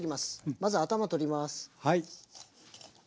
まず頭取ります。